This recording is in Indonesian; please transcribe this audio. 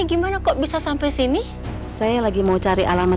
ibu ini mau cari alamat